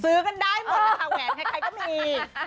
ซื้อกันได้หมดนะคะแหวนใครก็มี